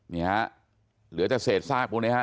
นี่ฮะเหลือแต่เศษซากพวกนี้ฮะ